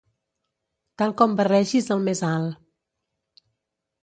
Tal com barregis el més alt.